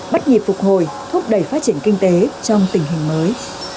bắt nhịp phục hồi thúc đẩy phát triển kinh tế trong tình hình mới